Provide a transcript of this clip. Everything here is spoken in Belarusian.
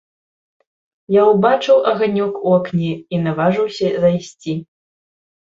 Я ўбачыў аганёк у акне і наважыўся зайсці.